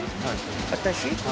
私？